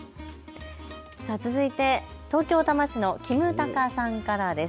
続いて東京多摩市のキムタカさんからです。